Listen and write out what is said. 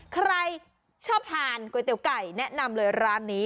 ใครชอบทานก๋วยเตี๋ยวไก่แนะนำเลยร้านนี้